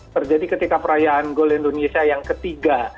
terjadi ketika perayaan gol indonesia yang ketiga